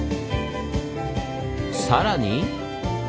さらに！